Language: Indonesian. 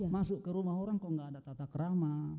masuk ke rumah orang kok nggak ada tata kerama